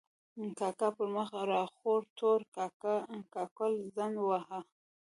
کاکا پر مخ را خور تور کاکل څنډ واهه.